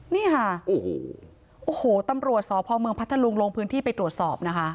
นี่ค่ะโอ้โหโอ้โหตำรวจสพเมืองพัทธลุงลงพื้นที่ไปตรวจสอบนะคะ